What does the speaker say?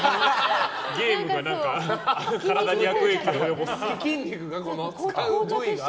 ゲームが体に悪影響を及ぼすって。